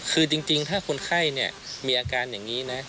คือจริงถ้าคนไข้เนี่ยมีอาการอย่างนี้นะ